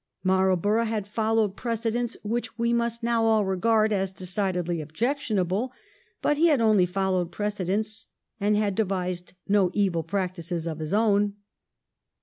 Marlborough had followed precedents which we must now all regard as decidedly objectionable, but he had only followed precedents, and had devised no evil practices of his own.